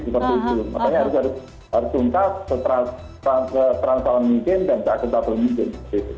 makanya harus dihentas seteran mungkin dan tak ketat mungkin